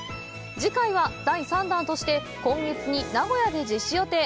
次回は第三弾として今月に名古屋で実施予定。